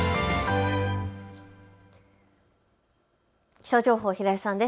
気象情報、平井さんです。